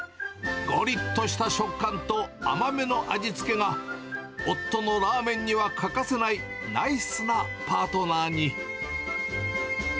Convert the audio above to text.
ごりっとした食感と甘めの味付けが、夫のラーメンには欠かせないナイスなパートナーに。